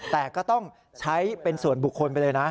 แต่ก็ต้องใช้เป็นส่วนบุคคลไปเลยนะ